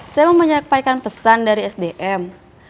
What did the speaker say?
saya mau menyampaikan pesan dari sdm